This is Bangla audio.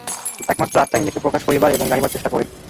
একমাত্র আত্মাই নিজেকে প্রকাশ করিবার এবং জানিবার চেষ্টা করে।